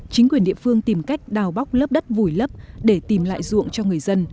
chính quyền địa phương tìm cách đào bóc lớp đất vùi lấp để tìm lại ruộng cho người dân